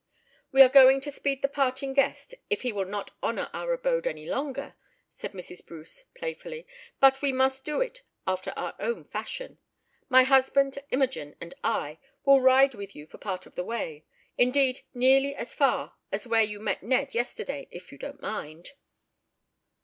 "We are going to speed the parting guest, if he will not honour our abode any longer," said Mrs. Bruce, playfully; "but we must do it after our own fashion. My husband, Imogen and I, will ride with you for part of the way—indeed nearly as far as where you met Ned yesterday, if you don't mind?"